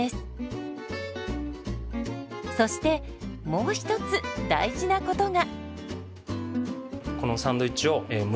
そしてもう一つ大事なことが。